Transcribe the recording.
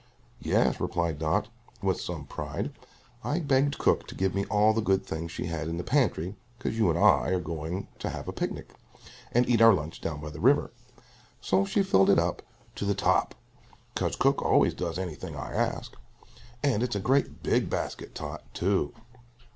"Yes," replied Dot, with some pride. "I begged cook to give me all the good things she had in the pantry, 'cause you and I are going to have a picnic, and eat our lunch down by the river. So she filled it way up to the top, 'cause cook always does anything I ask. And it's a great big basket, Tot, too."